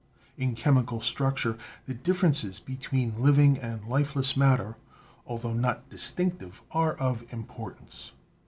In chemical structure the differences between living and lifeless matter, altho not distinctive, are of importance.